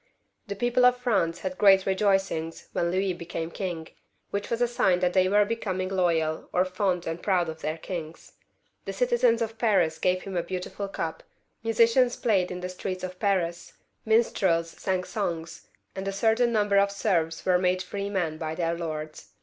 The people of France had great rejoicings when Louis became king, which was a sign that they were becoming loyal, or fond and proud of their kings. The citizens of Paris gave him a beautiful cup, musicians played in the streets of Paris, minstrels sang songs, and a certain number of serfs were made free men by their lords.